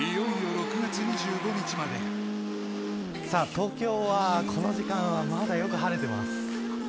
東京は、この時間まだよく晴れています。